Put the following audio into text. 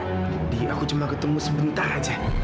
aku cuma ketemu sebentar aja